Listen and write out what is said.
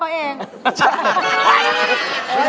ไม่ได้พี่เก่งเก่ง